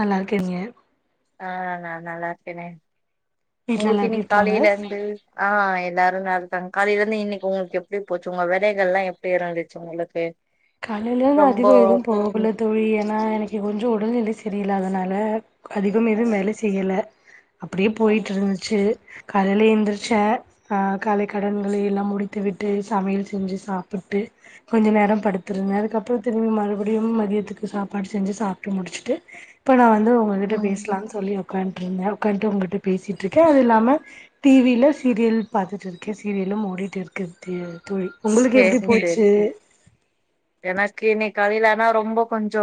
நல்லா இருக்கேங்க அ நா நல்லா இருக்கனே வீட்ல உங்ளுக் எல்லா எப்டி இன்னிக் இருக்காங்க காலைல இருந்து அ எ எல்லாரு நல்ருக்காங் காலைல இருந்து இன்னைக்கு உங்குளுக் எப்டி போச்சு உங்க வேலைகள் எல்லா எப்டி இருந்துச்சு உங்ளுக்கு காலைலேந்து அதிகோ எதுவு போகுல்ல தோழி ஏன்னா எனக்கு கொஞ் சோ உடல்நிலை செரியில்லாதனால அதிகம் எதும் வேல செய்யல அப்படியே போயிட்ருந்துச்சு காலேல எந்துரிச்ச அ காலைக்கடன்களை எல்லாம் முடித்து விட்டு சமையல் செஞ்சு சாப்பிட்டு கொஞ்ச நேரம் படு துருந்த அதுக்கப்புறோ திரும் மறுபடியும் மதியத்துக்கு சாப்பாடு செஞ்சி சாப்ட்டு முடிச்சுட்டு இப்ப நா வந்து உங்ககிட்ட ம் பேசலான் சொல்லி உக்காந்ட்ருந்தே உக்காந்ட்டு உங்கள்ட்ட பேசிட்ருக்கே அது இல்லாம டிவில சீரியல் பாத்துட் இருக்கே சீரியல் இன்னும் ஓடிட் இருக்கு டி தோழி உங்குளுக்கு எப்பிடி சேரி சேரி போய்ச்சு எனக்கு இன்னைக் காலையில ஆனா ரொம்ப கொஞ்சோ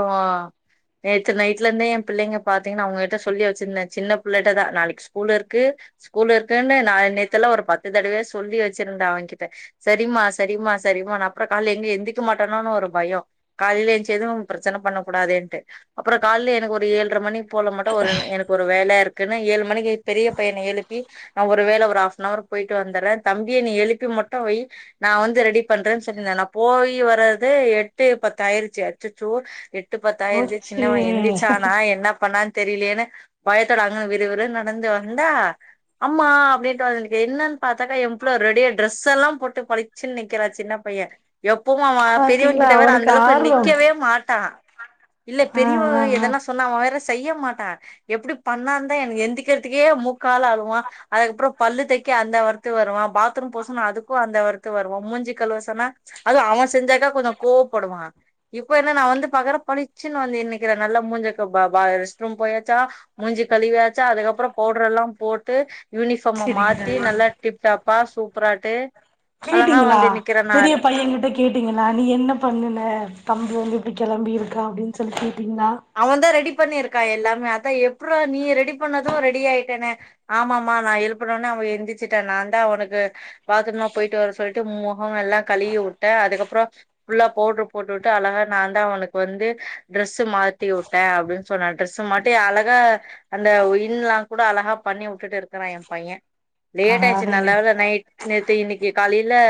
நேத்து நைட்ல இர்ந்தே எ பிள்ளைங்க பாத்தீங்ன்னா அவுங்ககிட்ட சொல்லி வச்சிருந்த சின்ன பிள்ளைட்டதா நாளிக் ஸ்கூல் இருக்கு ஸ்கூல் இருக்குன்னு நா நேத்தெல்லா ஒரு பத்து தெடவ சொல்லி வெச்சிருந்த அவங்கிட்ட செரிம்மா செரிம்மா செரிமா நா அப்புற கால்ல எங்க எந்திக்கு மாட் டானோனு ஒரு பயோ காலில ஏந்சதோ ப்ரெச்சன பண்ணக்கூடாதேந்ட்டு அப்புற கால்லே எனக்கு ஒரு ஏழ்ர மணி போல மட்டு ஒரு எனக் ஒரு வேல இருக்குன்னு ஏழு மணிக்கு பெரிய பையன எழுப்பி நா ஒரு வேல ஒரு ஹாஃப்னவர் போயிட்டு வந்தற்றே தம்பிய நீ எழுப்பி மட்டு வை நா வந்து ரெடி பண்றே செரி நா நா போயி வர அது எட்டு பத்தாயிருச்சு அச்சச்சோ எட் ட்டு பத்தாயிருச்சு போச்சு சின்னவ எந்திச்சானா என்ன பண்ணான் தெரிலியேனு பயத்தோட அங்க விறுவிறுன் நடந்து வந்தா அம்மா அப்டின்ட்டு வந்து நிக்கி என்னன் பாத்தாக்கா எ புள்ள ரெடியா ட்ரெஸெல்லா போட்டு பளிச்சின் நிக்கிறா சின்ன பைய எப்பவு அ பெரியவன் பாத்தீங்களா கிட்ட வேற அவனுக்கு அந்தளவுக்கு ஆர்வம் நிக்கவே மாட்டா இல்ல ஆ பெரியவ ஆ ஆ எதனா சொன்னா அவ வேற செய்ய மாட்டா எப்பிடி பண்ணான் தா எனக்கு எந்திக்கிற்துக்கே மூக்கால அழுவா அதுக்கப்பறோ பல்லு தேய் கே அந்த வருத்து வருவா பாத்ரூம் போ சொன்னா அதுக்கு அந்த வருத்து வருவா மூஞ்சி கழுவ சொன்னா அது அவ செஞ்சாக்க கொஞ்சோ கோவ்ப்படுவா இப்போ என்ன நா வந்து பாக்குறே பளிச்சுன் வந்து நிக்கிறா நல்ல மூஞ்ச க வ வ [unintelligible] த்ரூம் போயாச்சா மூஞ்சி கழுவியாச்சா அதுக்கப்புறோ பவ்டர் எல்லாம் போட்டு யூனிஃபாம்ம செரிங்க மாத்தி தோழி நல்லா டிப் டாப்பா சூப்பராட்டு அழகா கேட்டீங்களா வந்து நிக்கிறே நா பெரிய பையங்கிட்ட கேட்டீங்களா நீ என்ன பண்ணுன தம்பி வந்து இப்டி கெளம்பி இருக்கா அப்டின் சொல்லிட்டு அவந்தா ரெடி பண்ணியிருக்கா எல்லாமே அதா எப் பிட்றா நீ ரெடி பண்ணது ரெடி ஆயிட்டானே ஆமாமா நா எழுப்புனொன்ன அவ எந்திச்சிட்டா நாந்தா அவனுக்கு பாத்ரூம்லா போய்ட்டு வர சொல்ட்டு மு மொகோ எல்லா கழுவி வுட்டே அதுக்கப்புறோ ஃபுல்லா பவ்ட்ரு போட்டு விட்டு அழகா நாந்தான் அவனுக் வந்து ட்ரெஸ்ஸு மாத் தி வுட்டே அப்டின் சொன்னா ட்ரெஸு மாட்டி அழகா அந்த இன் லா கூட அழகா பண்ணி வுட்டுட்டு இருக்கா ப்பா எம் பைய லேட் ஆய்ச்சு பரவாயில்லைங்க நல்லவேல நைட் நேத்து இன்னிக்கு காலிலே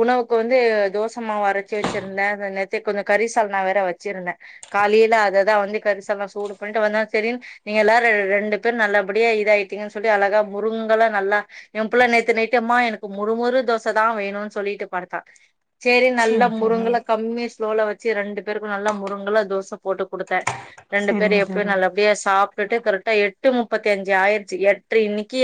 உணவுக்கு வந்து தோசமாவு அரச்சி வெச்சிருந்தே அ நேத்து கொஞ்ச கறிசால்னா வேற வெச்சிருந்த காலியே ல அத தா வந்து கறிசால்னாவ சூடு பண்ணிட்டு வந்த செரின் நீங்க எல்லாரு ரெ ரெண்டு பேரு நல்லபடியே இதா ஆயிட்டீங்கன் சொல்ட் டு அழகா முறுங்கலா நல்லா எம்புள்ள நேத்து நைட்டே அம்மா எனக்கு மொறுமொறு தோச தா வேணுன் சொல்லிட்டு படுத் தா சேரின்னு நல்லா செரி செரி முறுங்கலா கம்மியா ஸ்லோல வச்சு ரெண்டு பேருக்கும் நல்லா முறுங்கலா தோச போட்டு குடுத்தேன் ரெண்டு பேர் செரிங்க எப்பிடியும் தோழி நல்லபடியா சாப் டுட்டு கரெக்டா எட்டு முப்பத்தி அஞ்சு ஆயிருச்சு எட்டர இன்னைக்கு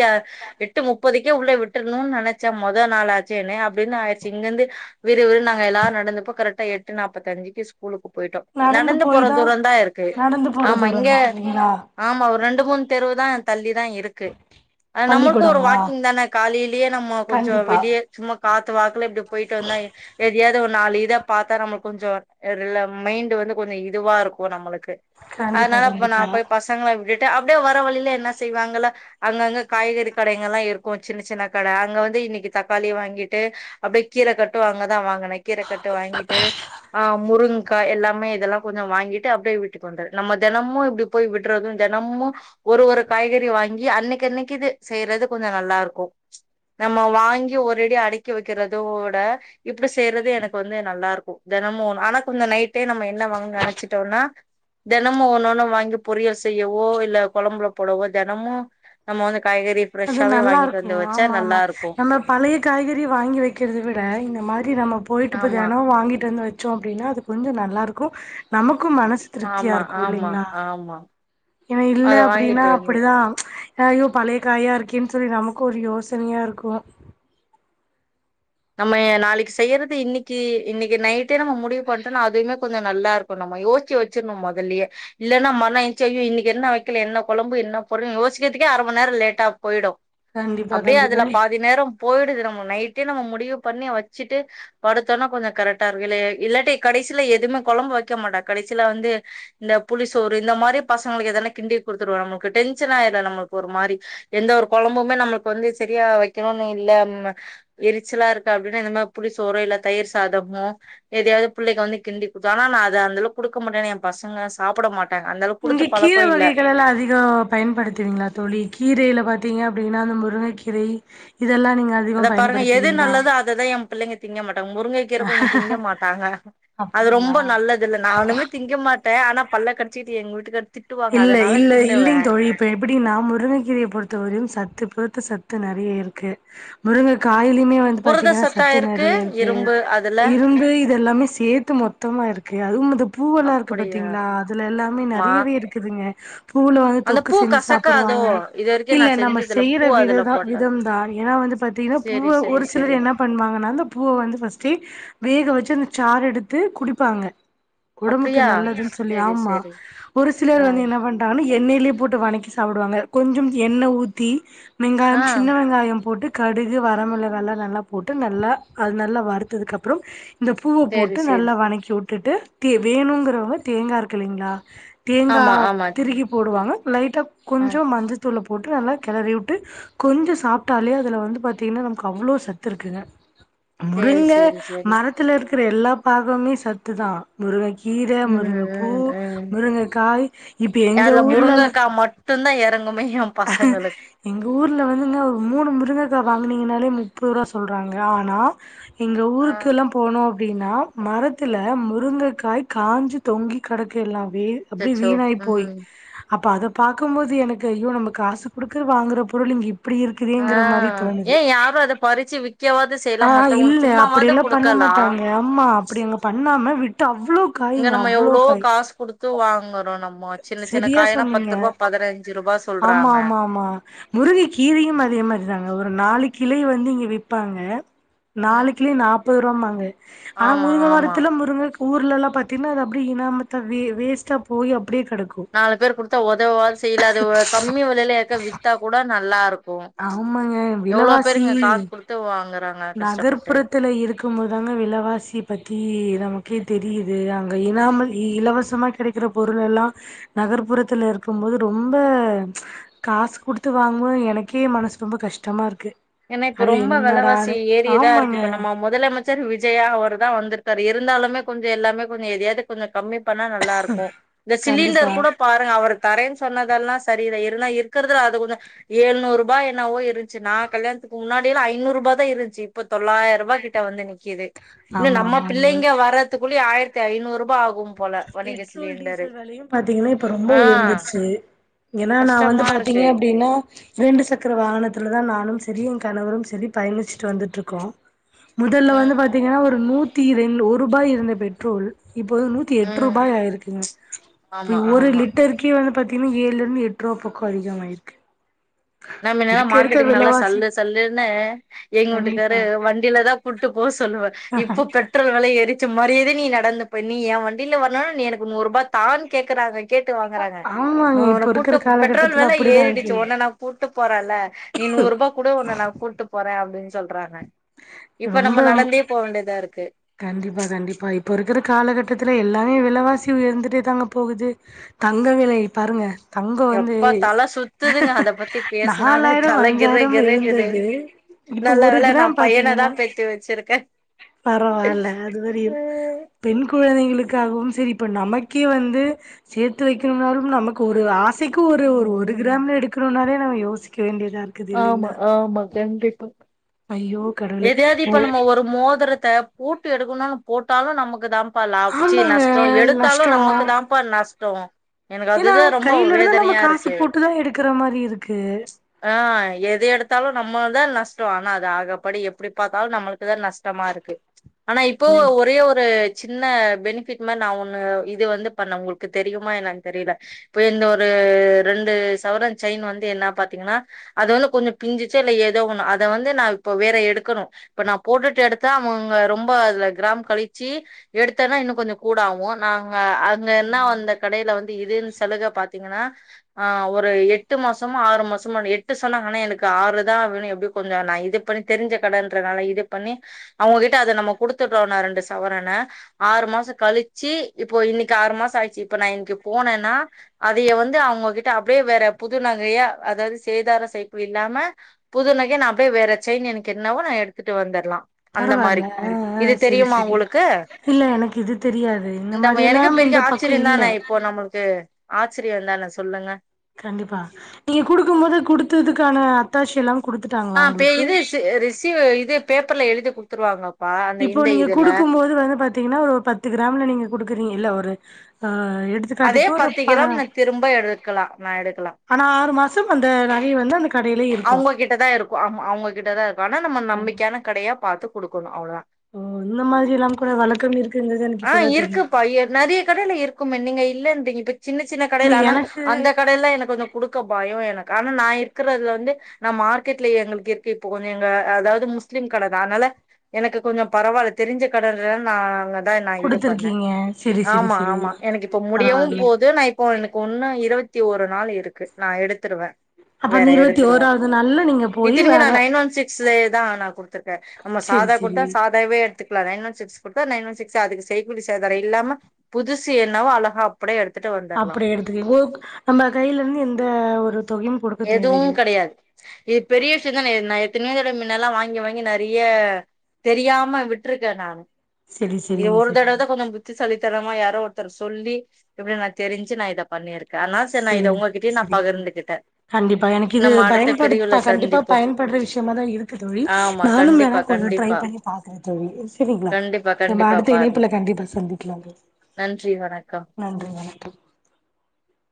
எட்டு முப்பதுக்கே உள்ள விட்டுறணும்னு நெனைச்சே மொத நாள் ஆச்சேன்னு அப்பிடின்னு ஆயிச்சு இங்கிருந்து விறு விறுன்னு நாங்க எல்லாரும் நடந்தப்போ கரெக்டா எட்டு நாப் பத்தஞ்சுக்கு ஸ்கூலுக்குப் போயிட்டோ நடந்து போய் போற தா தூரம் தான் இருக்கு நடந்து போற ஆமா இங்க தூரந்தா இல்லைங்களா ஆமா ஒரு ரெண்ட் ரெண்டு மூணு தெருவு தான் தள்ளி தான் இருக்கு அ நம்மள்க்கும் ஒரு பள்ளிக்கூடமா வாக்கிங் தானே காலையிலேயே நம்ம கொஞ்சோம் கண்டிப்பா வெளியே சும்மா காத்து வாக்குல இப்பிடி போயிட்டு வந்தா [unintelligible] ஏதோ ஒரு நாலு இதப் பார்த்தா நம்மளுக்கு கொஞ்சோ ரிலாக் மைண்ட் வந்து கொஞ்சோ இதுவா இருக்கும் நம்மளுக்கு கு கண்டிப்பா அதனால அப்ப நான் கண்டிப்பா போயி பசங்களை விட்டுட் அப்பிடியே வர வழியில என்ன செய்வாங்கலா அங்கங்க காய்கறி கடைங்கல்லாம் இருக்கும் சின்னச் சின்ன கடை அங்க வந்து இன்னக்கு தக்காளி வாங்கிட்டு அப்பிடியே கீரக் கட்டும் அங்கதான் வாங்கினே கீரக்கட்ட வாங்கிட்டு ஆஹ் முருங்கக்கா எல்லாமே இதெல்லாம் கொஞ்சம் வாங்கிட்டு அப்பிடியே விட்டுட் வந்துர்றே நம்ம தெனமும் இப்பிடி போய் விடுறதும் தெனமும் ஒரு ஒரு காய்கறி வாங் ங்கி அன்னைக்கன்னைக்கு இது செய்றது கொஞ்சோ நல்லா இருக்கும் நம்ம வாங்கி ஒரேடியா அடைக்கி வைக்கிறதவிட இப்பிடி செய்யிறது எனக்கு வந்து நல்லாருக்கும் நம்ம ஒன்னு ஆனா கொஞ்சோ நைட்டே நம்ம என்ன வாங்க நெனைச்சுட்டோன்னா தெனமும் ஒன்னொன்ன வாங்கி பொரியல் செய்யவோ இல்ல கொழம்புல போடவோ தெனமும் நம்ம வந்து காய்கறி அது ஃப்ரெஷ்ஷாவே நல்லா வாங்கிட்டு வந்து இருக்கும் வச்சா ஆமா ஆமா நல்லா இருக்கு நம்ம பழைய காய்கறி வாங்கி வைக்கிறத விட இந்த மாதிரி நம்ம போயிட்டு இப்போ ஆமா தெனம் வாங்கிட்டு வந்து வச்சோம் அப்பிடின்னா அது கொஞ்சம் நல்லாயிருக்கும் நமக் க்கும் மனசு திருப்தியா ஆமா இருக்கும் ஆமா இல்லீங்களா ஆமா ஏன்னா இல்ல அத அப்பிடின்னா வாங்கிட்டு வந்து அப்பிடிதான் ஹ ஐயோ பழைய காயா இருக்கேன்னு சொல்லி நமக்கும் ஒரு யோசனையா இருக்கும் நம்ம எ நாளைக்கு செய்யிறது இன்னைக்கு இன்னைக்கு நைட்டே நம்ம முடிவு பண்ட்டோம்னா அதுவுமே கொஞ்சம் நல்லா இருக்கும் நம்ம யோசிச்சு வச்சிருணும் முதல்லேயே இல்லன்னா [unintelligible] இன்னைக்கு என்ன வக்கலே என்ன கொழம்பு என்ன போட்றதுன்னு யோசிக்கிறதுக்கே அர மண்ணேரம் லேட்டாப் போயிடும் கண்டிப்பா அப்டியே கண்டிப்பா அதுல பாதி நேரம் போயிடுது நம்ம நைட்டே நம்ம முடி டிவு பண்ணி வச்சிட்டு படுத்தோன்னா கொஞ்சோ கரெக்டா இருக் இல்ல இல்லாட்டி கடேசிலே எதுவுமே கொழம்பு வைக்க முடாங் கடைசில வந்து இந்த புளி சோறு இந்த மாதிரி பசங்களுக்கு எதான கிண்டி குடுத்துருவோ நமக்கு டென்ஷனா ஆயிரு நம்மக் கு ஒரு மாதிரி எந்த ஒரு கொழம்புமே நம்மளுக்கு வந்து செரியா வக்கணும்னு இல்ல னா எரிச் ச்சலா இருக்கு அப்பிடின்னா இந்த மாதிரி புளி சோறு இல்ல தயிர் சாதமோ எதயாவது புள்ளைக வந்து கிண்டி குடுத்தா ஆனா நா அத அதுலா குடுக்க மாட்டே என் பசங்கல்லாம் சாப்பிட மாட் இங்கக் கீர வகைகள் எல்லாம் அதிகம் பயன்படுத்துவீங்களா தோழி கீரையில பார்த்தீங்க அப்பிடின்னா அந்த முருங்கக்கீரை இது அதப் பாருங்க எது நல்லதோ அததான் என் பிள்ளைங்க திங்க மாட்டேங் முருங்கக்கீரை கொஞ்சோம் திங்க மாட்டாங்க அது அப்டிங்களா ரொம்ப நல்லது இல்ல நானுமே திங்க மாட் ஆனா பல்ல கடிச்சிட்டு எங்க வீட்டுக்கார் திட்டுவாங்க இல்ல அதனால இல்ல தின்னுவே இல்லீங்க தோழி இப்ப எப்பிடின்னா முருங்கக்கீரயை பொறுத்த வரையும் சத்துப்பு சத்து நெறைய இருக்கு முருங்கக்காயிலுமே வந்து புரத பாத்தீங்கன்னா சத்தா சத்து நெறைய இருக்கு இரும்பு அதுல இரும்பு இது எல்லாமே சேர்த்து மொத்தமா இருக்கு அதுவும் இந்த பூவெல்லாம் இருக்கு அப்படியா பார்த்தீங்களா அதுல எல்லாமே ஆமா நெறையவே இருக்குதுங்க பூல வந்து அந்த தொக்கு பூ செஞ்சு கசக்காதோ சாப்பிடுவாங்க இது வரைக்கு நா இல்ல நம்ம செஞ்சதுல செய்யிற பூ அதுல விததா போட்டே விதம் தான் ஏன்னா வந்து பாத்தீங்கன்னா சேரி பூவ சேரி ஒரு சிலர் சேரி என்ன பண்ணுவாங்கன்னா அந்தப் பூவ வந்து ஃபர்ஸ்ட்டே வேக வச்சு அந்த சாறு எடுத் து குடிப்பாங்க ஒடம்புக்கு அப்படியா நல்லதுன் சொல்லி சேரி ஆமா சேரி ஒரு நாள் ஆ வந்து என்ன பண்டாங்கன்னா எண்ணெய்லயே போட்டு வணக்கி சாப்புடுவாங்க. கொஞ்சம் எண்ண ஊத்தி ஆ வெங்காயம் சின்ன வெங்காயம் போட்டு கடுகு வரமொளகால்லா நல்லா போட்டு நல்லா அது நல்லா வறுத்ததுக்கு அப்பறம் இந்த பூவ சேரி போட்டு சேரி நல்லா வணக்கி வுட்டுட்டு தே வேணுங்கறவங்க தேங்கா இருக்கு இல்லேங்களா, தேங்கா ஆமா ஆமா திருகி போடுவாங்க. லைட்டாக ஆ கொஞ்சோ மஞ்சத்தூள போட்டு நல்லா கிளறி வுட்டு கொஞ்சோ சாப்ட்டாலே அதுல வந்து பாத்தீங்கன்னா நமக்கு அவ்ளோ சத்து இருக்குங்க. சேரி முருங்க சேரி சேரி மரத்துல இருக்கிற எல்லா பாகொமே சத்துதா முருங்கைக்கு கீர ம் முருங்க பூ ம் ம் முருங்க இப்ப எங்க அதுல ஊர்லல முருங்கக்கா மட்டுந்தா எறங்குமே எ பசங்களுக்கு எங்க ஊர்ல வந்து ங்க ஒரு மூணும முருங்கக்கா வாங்னீங்னாலே முப்பரூவா சொல்றாங்க. ஆனா எங்க ஊருக்கெல்லா போனோ அ அப்பிடீன்னா மரத்துல முருங்கக்காய் காஞ்சு தொங்கி கெடக்கு எல்லாவே அப்டீ அச்சச்சோ வீணாய் போய் ம் அப்போ அத பாக்கும்போது எனக்கு ஐயோ நம்ம காசு குடுக்கு வாங்குற பொருள் இங்க இப் இப்டி ஆ இருக்குதேங்கிற மாரி தோணுது. ஏ யாரு அத பறிச்சு விக்கவாது செய்யலா ஆஹ்ஹ இல்ல மத்தவங்களுக்கு சும்மாவாது அப்படியெல்லா குடுக்கலா பண்ணமாட்டாங்க. அம்மா அப்டி அங்க பண்ணாம விட்டு அவ் இங்க நம்ம எவ்ளோ காசு குடுத்து வாங்குறோ நம்மோ சின்ன சின்ன சரியா காயலாம் சொன்னீங்க பத்து ரூபா பதனஞ்சு ஆமா ஆமா ஆமா முருங்க கீரையும் அதே மாரிதாங்க ஒரு நாளி கிளை வந்து இங்க விப்பாங்க ம் நாளுக்கிளை நாப்பது ரூவாபாங்க ஆனா ஆமா முருங்க ஆமா மரத்துல முருங்க ஊர்லல்லா பாத்தீன்னா அது அப்டி இனாமத்தா வே வேஸ்ட்டா போய் அப் நாலு பேர் குடுத்தா ஒதவ்வாது செய்யுல அது கம்மி விலைல யார்க்காது வித்தா கூட நல்லா இரு இருக்கும் க்கூ ஆமாங்க எவ்ளோ விலவாசி பேருங்க காசு கொடுத்து வாங்கறாக நகர்ப்புறத்துல இருக்கும்போதுதாங்க விலைவாசி பத்தி க்கே தெரீது. அங்க இனாமல் இ இலவசமா கெடைக்கிற பொருலெல்லா நகர்புறத்துல இருக்கும் போது ரொம்ப ம்ச் காச் குடுத்து வாங்குபோ எனக்கே மனசு ரொம்ப கஷ்டமா இருக்கு. ஏன்னா இப்ப அட ரொம்ப வெலவாசி என்னடானு ஏரியேதா இருக்கு. ஆமாங்க இப்ப நம்ம முதலமைச்சர் விஜயாகவர் தா வந்துருக்காரு இருந்தாலுமே கொஞ்சோ எல்லாமே கொஞ்சோ எதயாது கொஞ்சோ கம்மி பண்ணா நல்லா இருக்கூ. இந்த கண்டிப்பா சிலிண்டர் கூட பாருங்க அவர் தரேன் சொன்னதெல்லா சரிதா இருனா இருக்கறதுல அது கொஞ்ச ஏழ்நூறு ரூபா என்னவோ இருந்ச்சு நா கல்யாணத்க்கு முன்னாடிலா ஐநூரூபாதா இருந்துச்சு. இப்ப தொள்ளாயிரபா கிட்ட வந்து நிக்கிது. இன்ன ஆமா நம் ஆமா ஆமா பிள்ளைங்க வரதுக்குள்ளி ஆயிரத்தி ஐநூறு ரூபா ஆகு பெட்ரோல் டீசல் வெலயு பாத்தீங்கன்னா இப்ப ரொம்ப ஆ உயர்ந்திருச்சு ஏன்னா நா வந்து கஷ்டமா பாத்தீங்க இருக்கு அப்டீனா இரண்டு சக்கர வாகனத்துலதா நானும் செ செரி என் கணவரும் சரி பயணிச்சுட்டு வந்துட்டு இருக்கோ. முதல்ல வந்து ம் பாத்தீங்கன்னா ஒரு நூத்தி ரெண் ஒருபாய் இருந்த பெட்ரோல் இப்போது த்தி ம் எட்ருபாய் ஆயிருக்குங்க. ம்ச் ஆமா ஒரு ஆமா லிட்டர்க்கே வந்து பத் தீன ஏழ்லருந்து எட்ரூவா பக்கோ அதிகமாய்ருக்கு. நம்ம என்னனா மார்க்கெட்டுக்கு நல்லா சல்லு சல்லுன்னு எங்க வீட்டுக்காரு கண்டிப்பா வண்டீலதா கூட்டு போக சொல்லுவ. இப்போ பெட்ரோல் வில ஏரித் சாசு மறியேதே நீ நடந்து போய் நீ என் வண்டீல வர்ணுனா நீ எனக்கு நூறு ரூபா தான்னு கேக்குறாங்க. கேட்டு வாங்கறாங்க. ஆமாங்க நோ இப்ப உன இருக்கிற கூட்டு பெட்ரோல் காலகட்டத்துல வில அப்டிதா ஏறிடுச்சு இருக்கு ஒன்னனா கூட்டு போறல நீ நூற்ரூபா குடு ஒண்ண நா கூட்டுபோற. அப்டின்னு சொல்றாங்க. இப்ப நம்ம நடந்தே ரொம்ப போவேண்டிதா இருக்கு. கண்டிப்பா கண்டிப்பா இப்போ இருக்கற காலகட்டத்தில எல்லா தனிய விலைவாசி உயர்ந்துட்டே தாங்க போகுது. தங்க விலை பாருங்க தங்கோ வந்து எப்பா தல சுத்துதுங்க அத பத்தி பேசினாலே நாலாயிரம் தல கிர்ரு அஞ்சாயிரம் கிர்ருங்குது இருந்தது. இப்ப நல்ல ஒரு வேல கிராம் நான் பாத்தீங்கன்னா பையனதான் பெத்து வச்சிருக்கேன் பர வால அதுவரயு ம் பெண் கு குழந்தைகளுக்காகவும் சரி இப்ப நமக்கே வந்து சேர்த்து வைக்கணும்னாலும் நமக்கு ஒரு ஆசை க்கு ஒரு ஒரு ம் கிராம்ல எடுக்கணோம்னாலே நம்ம யோசிக்க வேண்டிய ஆமா ஆமா கண்டிப்பா ஐயோ கடவுளே எதாது ஓ இப்ப நம்ம ஒரு மோதிரத்தை போட்டு எடுக்கணும்னு போட்டாலும் நமக்கு தான் லாபம் ச்சி ஆமாங்க நஷ்டம் எடுத்தாலும் நமக்கு நஷ்டோ தான்ப்பா நஷ்டம் எனக்கு ஏன்னா அதுதான் ரொம்ப கையில இருந்து நம்ம வேதனையா காசு இருக்கு போட்டுதா எடுக்கிற மாரி இருக்கு ஆஹ் எது எடுத்தாலும் நம்மதான் நஷ்டம் ஆனா அது ஆகப்படி எப்படி பார்த்தாலும் நம்மளுக்கு தான் நஷ்டமா இருக்கு ஆனா இப்போ ஒரே ஒரு சின்ன பெனிபிட் மாதிரி நா ஒண்ணு இது வந்து பண்ண உங்களுக்கு தெரியுமா எனக்கு தெரியல இப்ப இந்த ஒரு ரெண்டு சவரம் செயின் வந்து என்ன பாத்தீங்கன்னா அது வந்து கொஞ்சம் பிஞ்சுச்சு இல்ல ஏதோ ஒன்னு அத வந்து நா இப்ப வேற எடுக்கணும் இப்ப நா போட்டுட்டு எடுத்தா அவங்க ரொம்ப அதுல கிராம் கழிச்சு எடுத்தேன்னா இன்னும் கொஞ்சம் கூட ஆகும் நாங்க அங்க என்ன சரிங்க வந்து கடையில வந்து இதுன் சலுக பாத்தீங்கன்னா ஒரு எட்டு மாசமா ஆறு மாசமா எட்டு சொன்னாங்கனா எனக்கு ஆறுதான் இருக்குன்னு எப்படி கொஞ்சம் நான் இது பண்ணி தெரிஞ்ச கட ன்றதுனால இது பண்ணி அவுங்ககிட்ட அத நம்ம கொடுத்துடோம்னா ரெண்டு சவரன ஆறு மாசம் கழிச்சு இப்போ இன்னைக்கு ஆறு மாசம் ஆயிச்சு இப்ப நா இன்னைக்கு போனேன்னா அதைய வந்து அவங்ககிட்ட அப்டியே வேற புதுநகைய அதாவது சேதார செய்கூலி இல்லாம புதுநகைய நான் அப்படியே வேற செயின் எனக்கு என்னவோ நா எடுத்துட்டு வந்துரலாம் அந்த மாதிரி பரவால்ல ஆ ஆ இது செரி தெரியுமா செரி உங்களுக்கு இல்ல எனக்கு இது தெரியாது இந்த மாரி எனக்கு எல்லாம் பெரிய இந்த பக்கோ ஆச்சரியம் இல்ல தானே இப்போ நம்மளுக்கு ஆச்சரியம் தான சொல்லுங்க கண்டிப்பா நீங்க குடுக்கும் போது குடுத்ததுக்கான அத்தாஷி எல்லாம் ஆ இது ரிசீவ் இது பேப்பர்ல எழுதி குடுத்துருவாங்க இப்போ நீங்க குடுக்கும் போது வந்து பாத்தீங்கன்னா ஒரு பத்து கிராம்ல நீங்க குடுக்குறீங்க இல்ல ஒரு ஆஹ் அதே எடுத்துக்காட்டுக்கு ஒரு பத்து பதி கிராம் நான் திரும்ப எடுக்கலாம் நான் எடுக்கலாம் ஆனா ஆறு மாச மாசம் அந்த நகை வந்து அந்த கடையிலயே இருக்கு அவுங்ககிட்ட தான் இருக்கும் ஆமா அவுங்ககிட்டதான் இருக்கும் ஆனா நம்ம நம்பிக்கையான கடையா பாரத்து குடுக்கணும் அவ்வளவுதான் ஓ அந்த மாதிரி எல்லாம் கூட வழக்கம் இருக்குங்கிறது எனக்கு ஆ இப்பதான் தெரியும் இல்ல சின்ன சின்ன கடையில ஆனா அந்த கடையெல்லாம் எனக்கு கொஞ்சம் கொடுக்க பயம் என ஆனா நா இருக்குறதுல வந்து நா மார்க்கெட்ல எங்களுக்கு எடுத்துப்போம் எங்க அதாவது முஸ்லீம் கடதான் அதனால எனக்கு கொஞ்சம் பரவாயில்ல தெரிஞ்ச கடனால நா அங்க நா நா இது பண்ணேன் குடுத்துருக்கீங்க செரி செரி ஆமா செரி ஆமா எனக்கு இப்ப முடியவும் பரவால்ல போது நா இப்ப எனக்கு ஒன்னு இருபத் பத்தி ஒரு நாள் இருக்கு நா எடுத்துடுவேன் அப்ப அந்த இருபத்தி ஓராவது நாள்ல நீங்க போயி வேற தான் நா குடுத்துருக்கேன் நம்ம செரி சாதா செரி குடுத்தா சாதாவே எடுத்துக்க நைன் ஒன் சிக்ஸ் குடுத்தா நைன் ஒன் சிக்ஸ் அதுக்கு செய்கூலி சேதாரம் இல்லாம புதுசு என்னவோ அழகா அப்டியே எடுத்து அப்டி எடுத்துக்குவிங்க நம்ம கையில இருந்து எந்த ஒரு தொகையும் குடுக்க எதுவும் தேவையில்ல கிடையாது இது பெரிய பிடிச்சிருந்தா நா நா எத்தனையோ தடவ மின்னலாம் வாங்கி வாங்கி நிறைய தெரியாம விட்ருக்கேன் நான் செரி செரிங்க ஒரு தடவ செரிங்க தான் கொஞ்சம் புத்தி சாளித்தனம் ஆமா யாரோ ஒருத்தர் சொல்லி இப்படி நா தெரிஞ்சு நா இத பண்ணியிருக்கேன் ஆனா சேரி நா இத செரிங்க உங்ககிட்டயே நா செரிங்க தோழி பகிர்ந்துகிட்டேன் கண்டிப்பா எனக்கு இது பயன்படுத்த கண்டிப்பா சந்திப்போம் பயன்படுற விஷயமா தான் இருக்கு தோழி ஆமா நானும் கண்டிப்பா வேணா ம் ட்ரை கண்டிப்பா பண்ணி பாக்குறே தோழி சேரிங்களா கண்டிப்பா நம்ம கண்டிப்பா அடுத்த பாருங்க இணைப்புல கண்டிப்பா சந்திக்கலாம் நன்றி வணக்கம் நன்றி வணக்கம் [inaudible]